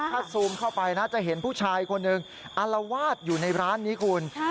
ถ้าซูมเข้าไปนะจะเห็นผู้ชายคนหนึ่งอารวาสอยู่ในร้านนี้คุณ